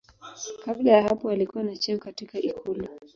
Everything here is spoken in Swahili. Kabla ya hapo alikuwa na cheo katika ikulu.